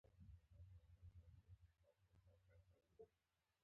زه رښتیا ویونکی انسان یم.